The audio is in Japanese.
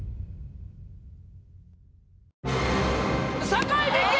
酒井美紀！